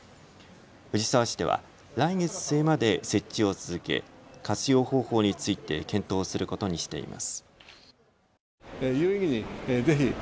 藤沢市では来月末まで設置を続け活用方法について検討することにしています。